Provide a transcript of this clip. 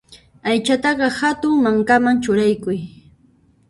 Aychataqa hatun mankaman churaykuy.